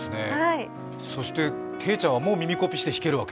そしてけいちゃんはもう耳コピして弾けるわけ？